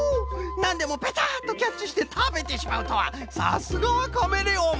なんでもペタッとキャッチしてたべてしまうとはさすがはカメレオン！